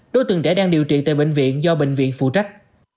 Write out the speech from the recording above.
đối tượng trẻ đang điều trị tại bệnh viện do bệnh viện phụ trách